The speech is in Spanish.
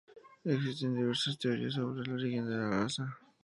Existen diversas teorías sobre el origen de la raza.